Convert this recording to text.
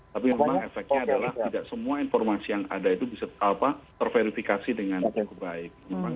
tapi memang efeknya adalah tidak semua informasi yang ada itu bisa terverifikasi dengan cukup baik